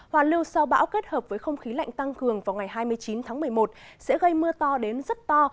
hoàn lưu sau bão kết hợp với không khí lạnh tăng cường vào ngày hai mươi chín tháng một mươi một sẽ gây mưa to đến rất to